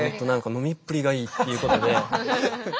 飲みっぷりがいいっていうことで。